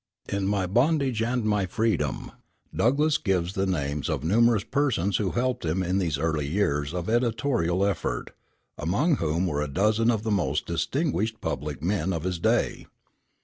In My Bondage and My Freedom Douglass gives the names of numerous persons who helped him in these earlier years of editorial effort, among whom were a dozen of the most distinguished public men of his day.